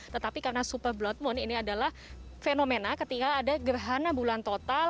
tetapi karena super blood moon ini adalah fenomena ketika ada gerhana bulan total